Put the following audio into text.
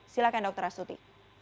silahkan dokter astuti